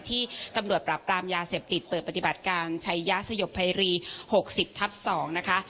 ที่ตำรวจปรับปรามยาเสพติดเปิดปฏิบัติการชัยยะสยบภัยรี๖๐ทับ๒นะคะ